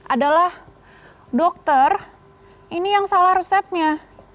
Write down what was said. adalah dokter ini yang salah resepnya